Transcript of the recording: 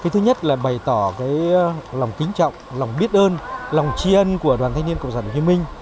thứ nhất là bày tỏ lòng kính trọng lòng biết ơn lòng tri ân của đoàn thanh niên cộng sản hồ chí minh